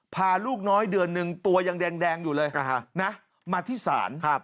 พาลูกน้อยเดือนหนึ่งตัวยังแดงอยู่เลยนะมาที่ศาล